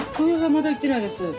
まだ行ってないです。